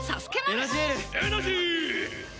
エナジー！